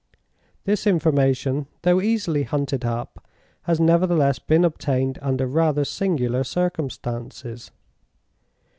"This information, though easily hunted up, has nevertheless been obtained under rather singular circumstances.